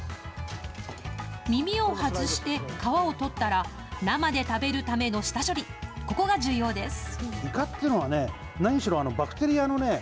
耳を外して皮を取ったら、生で食べるための下処理、ここが重要です。